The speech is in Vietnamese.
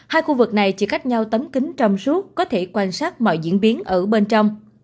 hai khu vực này chỉ cách nhau tấm kính trong suốt có thể quan sát mọi diễn biến ở bên trong